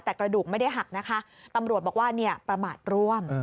แต่กระดูกไม่ได้หักนะคะตำรวจบอกว่าเนี่ยประมาทร่วม